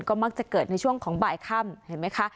ก็มักจะเกิดในช่วงของบ่ายค่ำเห็นไหมคะ